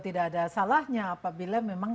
tidak ada salahnya apabila memang